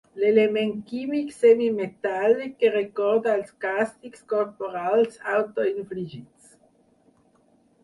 L'element químic semimetàl·lic que recorda els càstigs corporals autoinfligits.